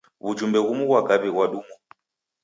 W'ujumbe ghumu ghwa kaw'i ghwadumwa.